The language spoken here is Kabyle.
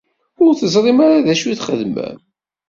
Ur teẓrim ara d acu i txedmem?